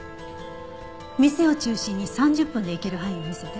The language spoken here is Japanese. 店を中心に３０分で行ける範囲を見せて。